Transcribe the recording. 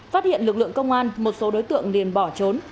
phát hiện lực lượng công an một số đối tượng liền bỏ trốn